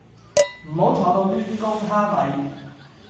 唔好坐到攣弓蝦米